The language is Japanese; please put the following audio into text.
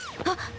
あっ。